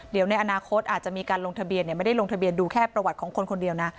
เดี๋ยวในอนาคตอาจจะมีการลงทะเบียนไม่ได้ลงทะเบียนดูแค่ประวัติของคนคนเดียวนะ